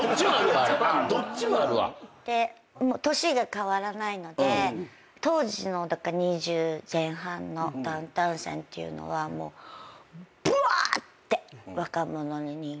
で年が変わらないので当時の２０前半のダウンタウンさんっていうのはもうブワーって若者に人気が出て東京にバーッ来て。